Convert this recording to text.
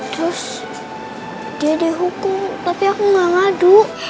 terus dia dihukum tapi aku gak ngadu